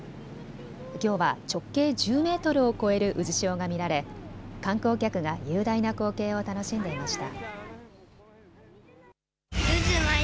きょうは直径１０メートルを超える渦潮が見られ観光客が雄大な光景を楽しんでいました。